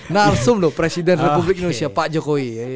nalsum loh presiden republik indonesia pak jokowi